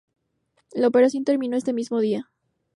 La operación terminó ese mismo día.